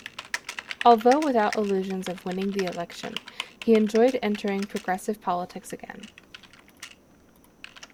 Although without illusions of winning the election, he enjoyed entering progressive politics again.